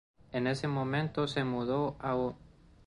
En ese momento, se mudó a un hogar para madres solteras.